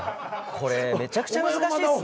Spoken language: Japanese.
これめちゃくちゃ難しいっすね。